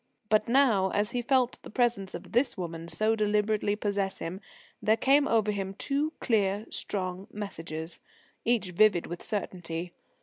But now, as he felt the presence of this woman so deliberately possess him, there came over him two clear, strong messages, each vivid with certainty.